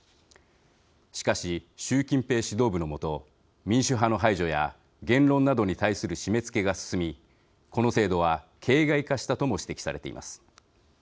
しかし、習近平指導部の下民主派の排除や言論などに対する締めつけが進みこの制度は、形骸化したとも指摘されています。